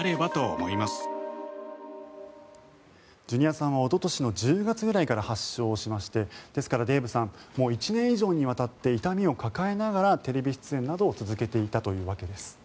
ジュニアさんはおととしの１０月ぐらいから発症しましてですからデーブさんもう１年以上にわたって痛みを抱えながらテレビ出演などを続けていたというわけです。